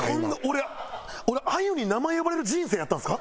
俺俺あゆに名前呼ばれる人生やったんですか？